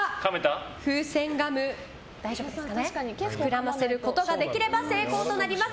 風船ガム膨らませることができれば成功となります。